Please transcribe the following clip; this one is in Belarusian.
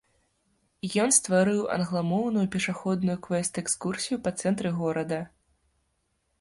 Ён стварыў англамоўную пешаходную квэст-экскурсію па цэнтры горада.